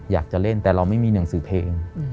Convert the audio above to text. อยากจะเล่นแต่เราไม่มีหนังสือเพลง